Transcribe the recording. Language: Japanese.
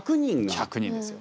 １００人ですよ。